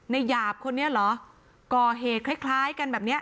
หยาบคนนี้เหรอก่อเหตุคล้ายคล้ายกันแบบเนี้ย